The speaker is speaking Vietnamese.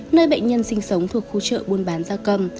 nơi bệnh nhân sinh sống thuộc khu trợ buôn bán da cầm